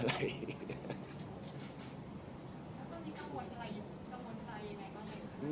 แล้วก็มีกังวลใจไหม